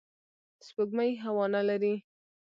سپوږمۍ هوا نه لري